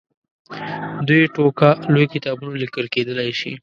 دوې ټوکه لوی کتابونه لیکل کېدلای شي.